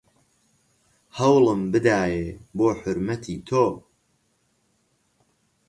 هەوڵم بدایێ بۆ حورمەتی تۆ